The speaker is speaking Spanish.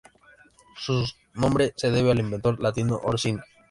Su nombre se debe al inventor: Latino Orsini.